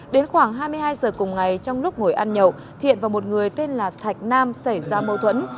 đến khoảng hai mươi hai giờ cùng ngày trong lúc ngồi ăn nhậu thiện và một người tên là thạch nam xảy ra mâu thuẫn